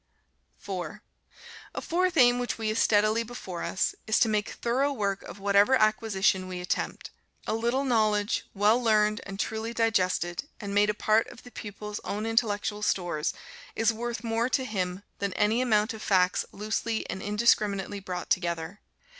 4. A fourth aim which we have steadily before us, is to make thorough work of whatever acquisition we attempt. A little knowledge, well learned and truly digested, and made a part of the pupil's own intellectual stores, is worth more to him than any amount of facts loosely and indiscriminately brought together.